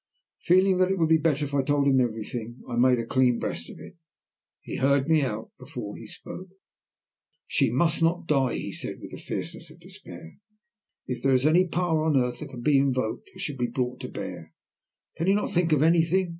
Feeling that it would be better if I told him everything, I made a clean breast of it. He heard me out before he spoke. "She must not die," he said, with the fierceness of despair. "If there is any power on earth that can be invoked, it shall be brought to bear. Can you not think of anything?